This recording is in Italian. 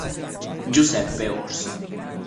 Giuseppe Orsi